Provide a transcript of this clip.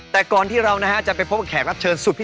แต่ก่อนที่เรานะฮะจะไปพบกับแขกรับเชิญสุดพิเศษ